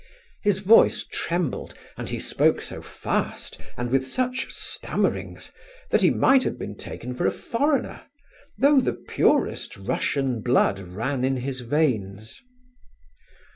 His voice trembled, and he spoke so fast, and with such stammerings, that he might have been taken for a foreigner, though the purest Russian blood ran in his veins.